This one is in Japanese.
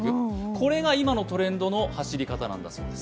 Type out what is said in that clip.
これが今のトレンドの走り方なんだそうです。